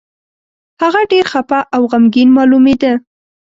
هغه ډېر خپه او غمګين مالومېده.